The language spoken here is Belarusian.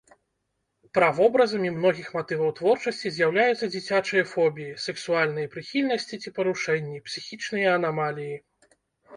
Правобразамі многіх матываў творчасці з'яўляюцца дзіцячыя фобіі, сэксуальныя прыхільнасці ці парушэнні, псіхічныя анамаліі.